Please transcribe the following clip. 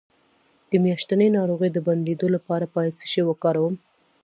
د میاشتنۍ ناروغۍ د بندیدو لپاره باید څه شی وکاروم؟